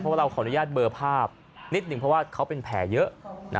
เพราะว่าเราขออนุญาตเบอร์ภาพนิดหนึ่งเพราะว่าเขาเป็นแผลเยอะ